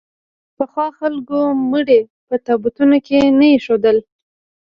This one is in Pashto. پخوا خلکو مړي په تابوتونو کې نه اېښودل.